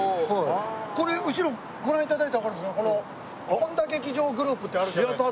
これ後ろご覧頂いたらわかるんですけどこの本多劇場グループってあるじゃないですか。